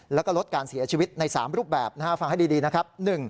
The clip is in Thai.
แล้วก็ลดการเสียชีวิตใน๓รูปแบบนะฮะฟังให้ดีนะครับ